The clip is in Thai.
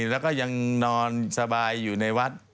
แล้วก็ยังนอนสบายอยู่ในวัด